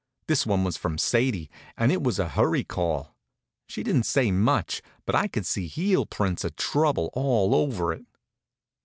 This one was from Sadie, and it was a hurry call. She didn't say much; but I could see heel prints of trouble all over it.